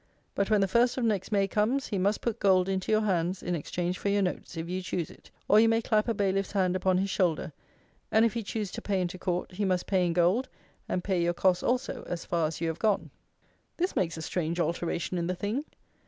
But when the first of next May comes, he must put gold into your hands in exchange for your notes, if you choose it; or you may clap a bailiff's hand upon his shoulder: and if he choose to pay into Court, he must pay in gold, and pay your costs also as far as you have gone. This makes a strange alteration in the thing!